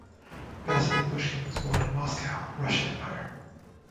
Vasily Pushkin was born in Moscow, Russian Empire.